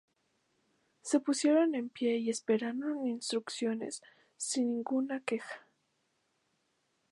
Se pusieron en pie y esperaron instrucciones, sin ninguna queja.